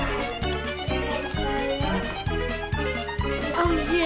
おいしい！